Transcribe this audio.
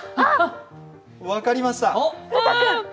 分かりました。